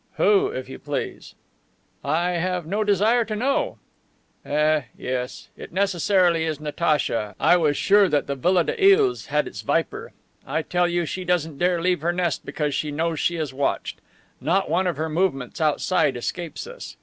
"Who, if you please?" "I have no desire to know." "Eh, yes. It necessarily is Natacha. I was sure that the Villa des Iles had its viper. I tell you she doesn't dare leave her nest because she knows she is watched. Not one of her movements outside escapes us!